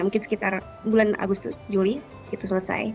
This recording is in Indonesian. mungkin sekitar bulan agustus juli itu selesai